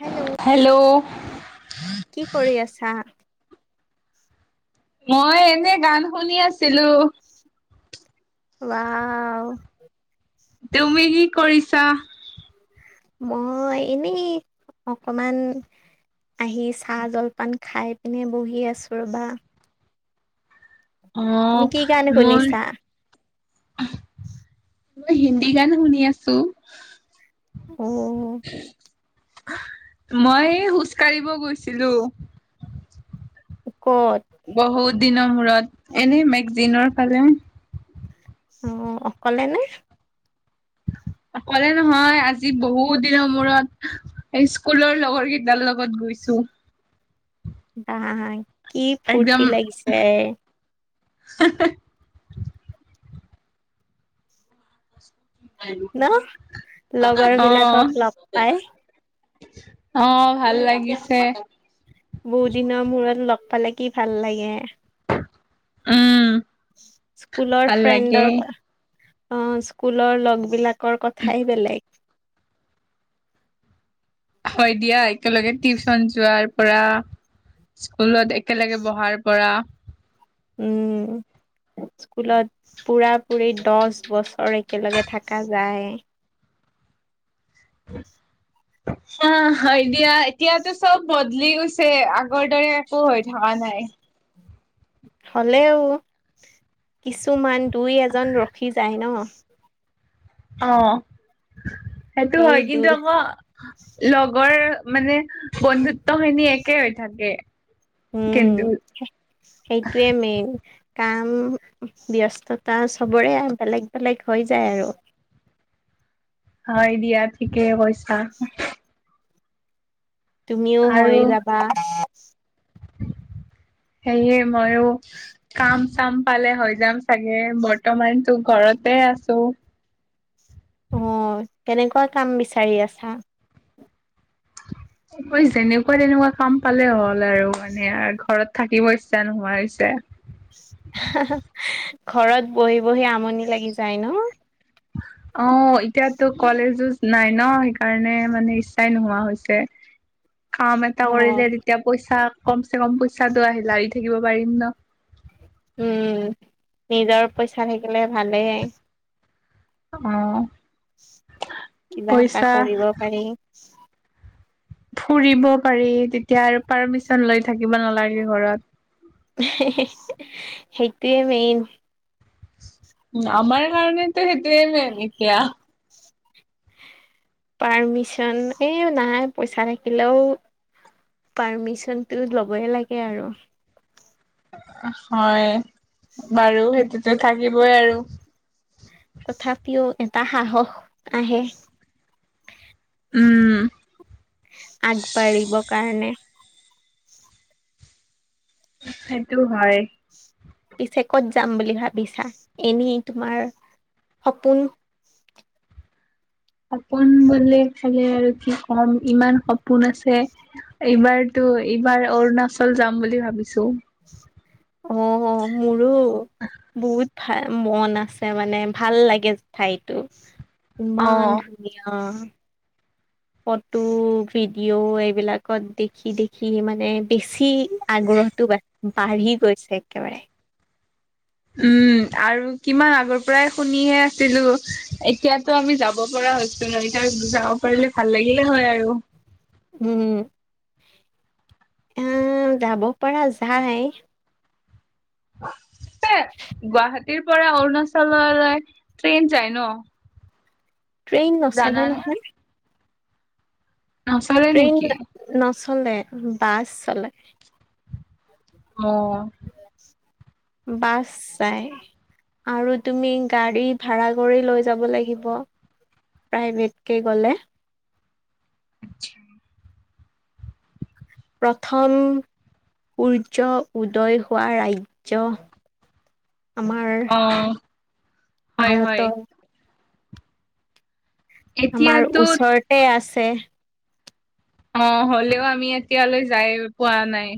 Hello কি কৰি আছা? মই এনেই গান শুনি আছিলোঁ। ৱা তুমি কি কৰিছা? মই এনেই অকমান আহি চাহ জলপান খাই পিনে বহি আছোঁ ৰ'বা। তুমি কি অ', গান মোৰ শুনিছা মই হিন্দী গান শুনি আছোঁ। অ'। মই এই খোজ কাঢ়িব গৈছিলোঁ। ক'ত? বহুত দিনৰ মূৰত, এনেই মেগজিনৰ ফলে। অ', অকলে নে? অকলে নহয়, আজি বহুত দিনৰ মূৰত এই স্কুলৰ লগৰ কেইটাৰ লগত গৈছোঁ। হয়। একদম ন লগৰ বিলাকক অ'। লগ পাই অ', ভাল লাগিছে। বহুত দিনৰ মূৰত লগ পালে, কি ভাল লাগে। উম্। স্কুলৰ ফ্ৰেণ্ডৰ, অ', স্কুলৰ লগ বিলাক। কথাই বেলেগ। হয় দিয়া, একেলগে টিউচন যোৱাৰ পৰা স্কুলত একেলগে বহাৰ পৰা উম্। স্কুলত পুৰা পুৰি দহ বছৰ একেলগে থকা যায়। অ', হয় দিয়া, এতিয়াতো চব ব বলি গৈছে, আগৰ দৰে একো হৈ থকা নাই। হ'লেও, কিছুমান দুই এজন ৰখি যায় ন। অ', সেইটো সেই হয় কিন্তু দুই আকৈ লগৰ মানে বন্ধুত্ব খিনি একে হৈ থাকে। উম্, কিন্তু সেইটোৱে মেইন। কাম, ব্যস্ততা চবৰে বেলেগ বেলেগ হৈ যায় আৰু। হয় দিয়া, ঠিকে কৈছা। তুমিও হৈ আৰু যাবা। সেয়ে ময়ো। কাম চাম পালে হৈ যাম চাগে বৰ্তমান তো ঘৰতে আছো। অ', কেনেকুৱা কাম বিচাৰি আছা। যেনেকুৱা তেনেকুৱা কাম পালে হ'ল আৰু মানে ঘৰত থাকিব ইচ্ছা নোহোৱা হৈছে। ঘৰত বহি বহি আমনি লাগি যায় ন। অ', এতিয়াটো কলেজো নাই ন সেইকাৰণে মানে ইচ্ছাই নোহোৱা হৈছে। কাম এটা অ কৰিলে তেতিয়া পইচা, কম চে কম পইচাটো আহি লাৰি থাকিব পাৰিম ন। উম, নিজৰ পইচা থাকিলে ভালেই। অহ। কিবা এটা কৰিব পাৰি ফুৰিব পাৰি তেতিয়া আৰু পাৰ্মিচন লৈ থাকিব নালাগে ঘৰত। সেইটোৱে মেইন। উ' আমাৰ কাৰণেটো সেইটোৱে মেইন এতিয়া। পাৰ্মিচন, এই নাই পইচা থাকিলেও পাৰ্মিচনটো ল'বই লাগে আৰু হয় বাৰু সেইটোতো থাকিবই আৰু তথাপিও এটা সাহস আহে। উম। আগবাঢ়িব কাৰণে সেইটো হয়। পিছে ক'ত যাম বুলি ভাবিছা এনেই তোমাৰ সপোন সপোন বোলে খালে আৰু কি ক'ম ইমান সপোন আছে। এইবাৰটো, এইবাৰ অৰুণাচল যাম বুলি ভাবিছোঁ। অহ মোৰো বহুত ভাল মন আছে মানে, ভাল লাগে ঠাইতো ইমান অ' ধুনীয়া ফটো ভিডিঅ' এইবিলাকত দেখি দেখি মানে, বেছি আগ্ৰহটো বাঢ়ি বাঢ়ি গৈছে একেবাৰে উম'। আৰু কিমান আগৰ পৰাই শুনিহে আছিলোঁ। এতিয়াটো আমি যাব পৰা হৈছোঁ। ত এবাৰ যাব পাৰিলে ভাল লাগিলে হয় আৰু উম, আহ যাব পৰা যাই। গুৱাহাটীৰ পৰা অৰুণাচললৈ ট্ৰেইন যাই ন। ট্ৰেইন নচলে জানানে নহয়। নচলে ট্ৰেইন নেকি। নচলে বাছ চলে। অহ। বাছ যাই। আৰু তুমি গাড়ী ভাড়া কৰি লৈ যাব লাগিব। প্ৰাইভেটকে গ'লে। আচ্ছা। প্ৰথমে সূৰ্য উদয় হোৱা ৰাজ্য আমাৰ অ' হয় হয় ভাৰতৰ আমাৰ এতিয়াতো ওচৰতে আছে। অ', হ'লেও আমি এতিয়ালৈ যাইয়ে পোৱা নাই।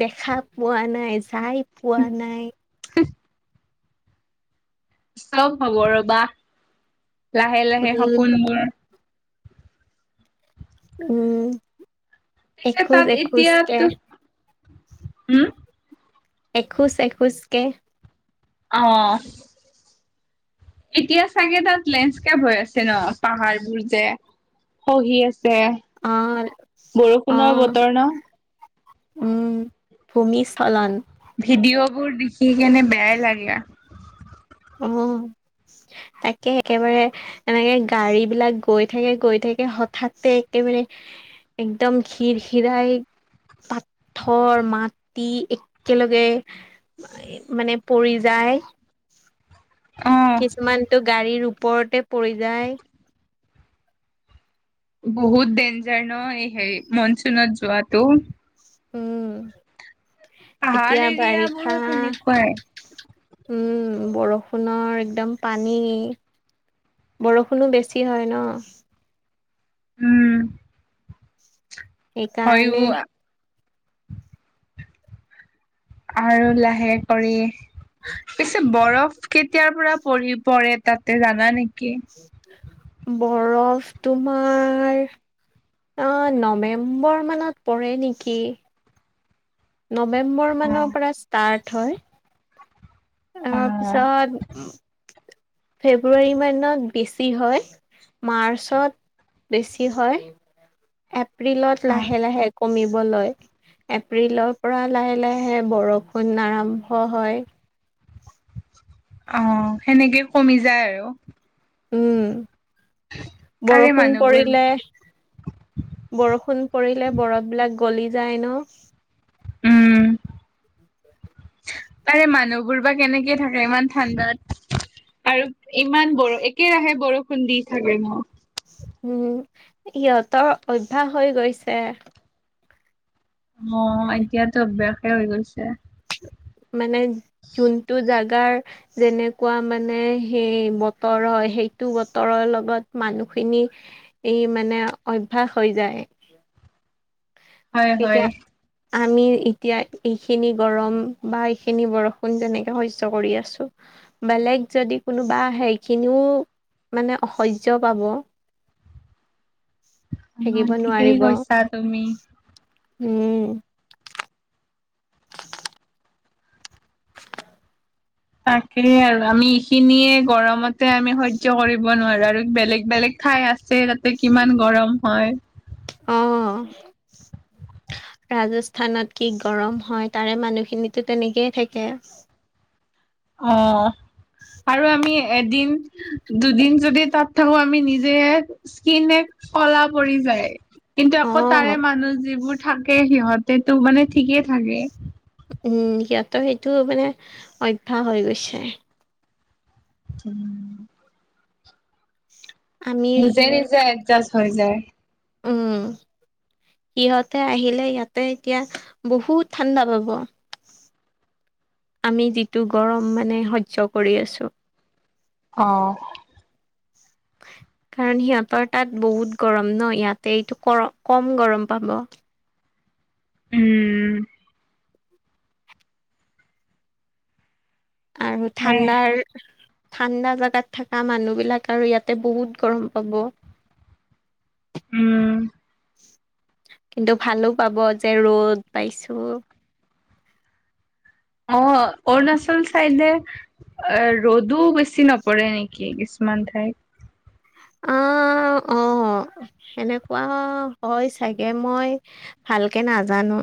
দেখা পোৱা নাই, যাই পোৱা নাই। চব হ'ব ৰবা, লাহে লাহে উম সপোনবোৰ। উম। পিছে এখোজ তাত এখোজকে এতিয়াটো হম? এখোজ এখোজকে। অ'। এতিয়া চাগে তাত লেণ্ডস্কেপ হৈ আছে ন পাহাৰবোৰ যে। খহি আছে অ বৰষুণৰ অ বতৰ ন! উম, ভূমিস্খলন। ভিডিঅ' বোৰ দেখি কেনে বেয়াই লাগে। উম, তাকে একেবাৰে এনেকে গাড়ী বিলাক গৈ থাকে গৈ থাকে হঠাতে একেবাৰে একদম খীৰ খীৰাই পাথৰ মাটি একেলগে মানে পৰি যায়। অ কিছুমানতটো গাড়ীৰ ওপৰতে পৰি যায়। বহুত ডেঞ্জাৰ ন এই হেৰি মনচুনত যোৱাটো। উম, পাহাৰ এতিয়া এৰিয়া বাৰিষা বোৰত সেনেকুৱাই বৰষুণৰ একদম পানী। বৰষুণো বেছি হয় ন। উম। হয়ো সেইকাৰণে আৰু লাহে কৰি পিছে বৰফ কেতিয়াৰ পৰা পৰি পৰে তাতে জানা নেকি? বৰফ তোমাৰ অ', নৱেম্বৰ মানত পৰে নেকি? নৱেম্বৰ অ মানৰ পৰা ষ্টাৰ্ট হয়। অ তাৰপিছত ফেব্ৰুৱাৰী মাহত বেছি হয়। মাৰ্চত বেছি হয়। এপ্ৰিলত অ লাহে লাহে কমিব লয়। এপ্ৰিলৰ পৰা লাহে লাহে বৰষুণ আৰম্ভ হয়। অ', সেনেকে কমি যায় আৰু। উম, তাৰে বৰষুণ মানুহবোৰ পৰিলে বৰষুণ পৰিলে বৰফবিলাক গলি যায় ন! উম [inaudible] তাৰে মানুহবোৰ বা কেনেকে থাকে ইমান ঠাণ্ডাত। আৰু ইমান বৰ একেৰাহে বৰষুণ দি থাকে ন। উম, সিহঁতৰ অভ্যাস হৈ গৈছে। অ', এতিয়াতো অভ্যাসে হৈ গৈছে। মানে যোনটো জাগাৰ যেনেকুৱা মানে সেই বতৰ হয় সেইটো বতৰৰ লগত মানুহখিনি এই মানে অভ্যাস হৈ যায়। হয় এতিয়া হয়। আমি এতিয়া এইখিনি গৰম বা এইখিনি বৰষুণ তেনেকে সহ্য কৰি আছো। বেলেগ যদি কোনোবা সেইখিনিও মানে অসহ্য পাব। [inaudible] অ', ঠিকেই নোৱাৰিব কৈছা তুমি। উম। তাকেই আৰু আমি এইখিনিয়ে গৰমতে আমি সহ্য কৰিব নোৱাৰো আৰু বেলেগ বেলেগ ঠাই আছে তাতে কিমান গৰম হয়। অ'। ৰাজস্থানত কি গৰম হয় তাৰে মানুহখিনো তেনেকেই থাকে। অ', আৰু আমি এদিন দুদিন যদি তাত থাকো আমি নিজে স্কিনে কলা পৰি যায়, কিন্তু অ আকৌ তাৰে মানুহ যিবোৰ থাকে সিহঁত হেটো মানে ঠিকে থাকে। উম, সিহঁতৰ সেইটো মানে অভ্যাস হৈ গৈছে। উম, আমি নিজে নিজে এডজাষ্ট হৈ যায়। উম, সিহঁতে আহিলে ইয়াতে এতিয়া বহুত ঠাণ্ডা পাব আমি যিটো গৰম মানে সহ্য কৰি আছোঁ। অ', কাৰণ সিহঁতৰ তাত বহুত গৰম ন' ইয়াতে এইটো ক কম গৰম পাব। উম, আৰু ঠাণ্ডাৰ ঠাণ্ডা জাগাত থকা মানুহ বিলাক আৰু ইয়াতে বহুত গৰম পাব উম, কিন্তু ভালো পাব যে ৰ'দ পাইছোঁ। অ', অৰুণাচল চাইডে এ ৰ'দো বেছি নপৰে নেকি কিছুমান ঠাইত? অ', অ', সেনেকুৱা হয় চাগে মই ভালকে নাজানো।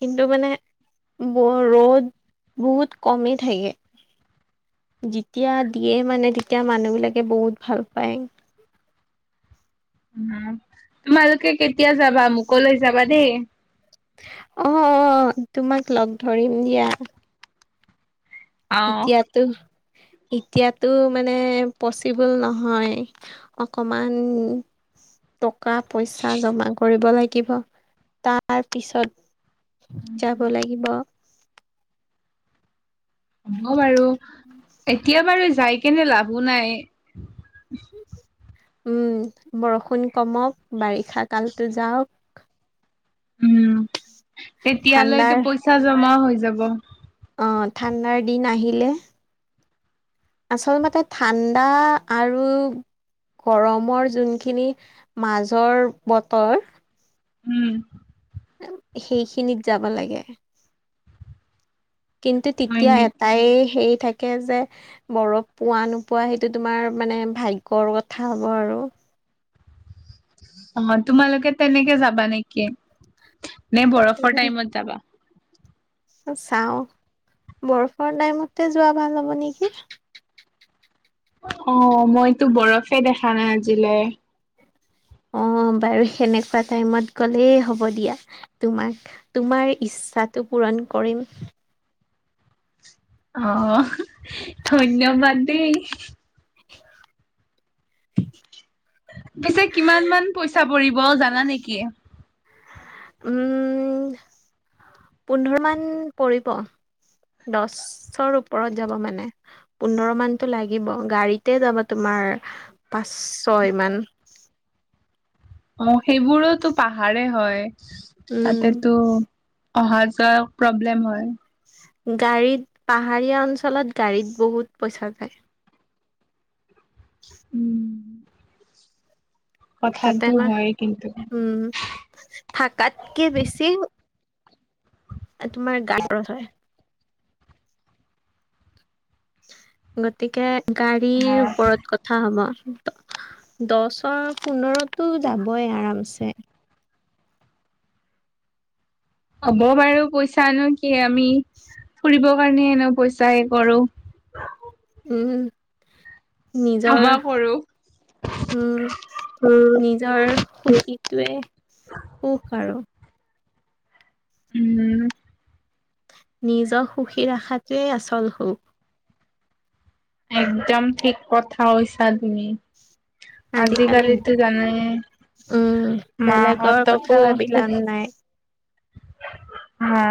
কিন্তু মানে ৰ'দ বহুত কমি থাকে। যেতিয়া দিয়ে মানে তেতিয়া মানুহ বিলাকে বহুত ভাল পায়। উম, তোমালোকে কেতিয়া যাবা? মোকো লৈ যাবা দেই। অ', অ', অ', তোমাক লগ ধৰিম দিয়া। অ', এতিয়াতো এতিয়াতো মানে পচিবল নহয়। অকমান টকা পইচা জমা কৰিব লাগিব, তাৰ পিছত যাব লাগিব। হ'ব বাৰু, এতিয়া বাৰু যায় কেনে লাভো নাই। উম, বৰষুণ কমক বাৰিষা কালতো যাওক। উম, তেতিয়ালৈতো ঠাণ্ডাৰ পইচা জমা হৈ যাব। অ', ঠাণ্ডাৰ দিন আহিলে আচলতে ঠাণ্ডা আৰু গৰমৰ যোনখিনি মাজৰ বতৰ উম, সেইখিনিত যাবা লাগে। কিন্তু হয় তেতিয়া নেকি? এটাই হেৰি থাকে থাকে যে বৰফ পোৱা নোপোৱা সেইটো তোমাৰ মানে ভাগ্যৰ কথা হ'ব আৰু অ', তোমালোকে তেনেকে যাবা নেকি নেকি? নে বৰফৰ টাইমত যাবা? অ', চাওঁ, বৰফৰ টাইমতে যোৱা ভাল হ'ব নেকি। অ', মইতো বৰফে দেখা নাই আজিলৈ। অ', বাৰু সেনেকুৱা টাইমত গ'লেই হ'ব দিয়া। তোমাক তোমাৰ ইচ্ছাটো পূৰণ কৰিম। অ', ধন্যবাদ দেই। পিছে কিমান মান পইচা পৰিব জানা নেকি? উম, পোন্ধৰ মান পৰিব। দশৰ ওপৰত যাব মানে পোন্ধৰ মানটো লাগিব, গাড়ীতে যাব তোমাৰ পাঁচ ছয়মান অ', সেইবোৰোতো পাহাৰে হয়। উম। তাতেতো অহা যোৱা প্ৰব্লেম হয়। গাড়ীত পাহাৰীয়া অঞ্চলত গাড়ীত বহুত পইচা যায়। উম। তাতে কথাটো আমাৰ হয় কিন্তু উম থাকাতকে বেছি তোমাৰ গাতত হয়। গতিকে অ গাড়ীৰ ওপৰত হা হ'ব দছৰ পোন্টোযাবই আৰামছে। হ'ব বাৰু পইচানো কি আমি ফুৰিবৰ কাৰণে হেনো পইচা হে কৰো। উম। নিজৰ জমা কৰো উম নিজৰ সুখী য়ে সুখ আৰু। উম। নিজৰ সুখী ৰাখাটোৱে আচল সুখ। একদম ঠিক কথা কৈছা তুমি। [inaudible] আজিকালিটো জানেয়ে। উম মা বেলেগৰ কথা হতকো ভাবি লাভ নাই হা